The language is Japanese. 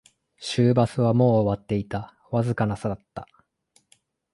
終バスはもう終わっていた、わずかな差だった